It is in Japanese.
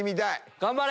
頑張れ！